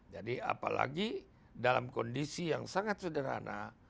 jadi apalagi dalam kondisi yang sangat sederhana